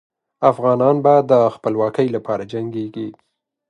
افغانان به د خپلواکۍ لپاره جنګېږي.